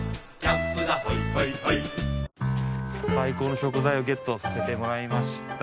最高の食材をゲットさせてもらいました。